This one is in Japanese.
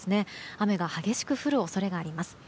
雨が激しく降る恐れがあります。